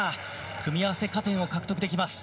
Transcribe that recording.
組み合わせ加点を獲得できます。